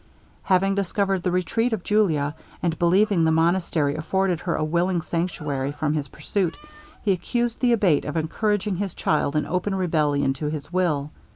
Having discovered the retreat of Julia, and believing the monastery afforded her a willing sanctuary from his pursuit, he accused the Abate of encouraging his child in open rebellion to his will.